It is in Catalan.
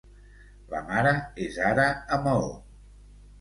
La mare és ara a Maó.